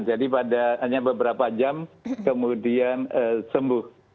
jadi hanya beberapa jam kemudian sembuh